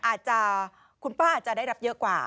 อาจจะคุณป้าอาจจะได้รับเยอะกว่า